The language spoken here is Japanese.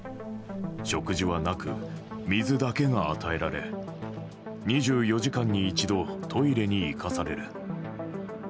食事はなく、水だけが与えられ２４時間に一度トイレに行かされる。